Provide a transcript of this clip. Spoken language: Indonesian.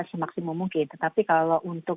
semaksimum mungkin tetapi kalau untuk